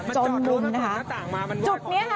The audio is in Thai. จนมุมเลย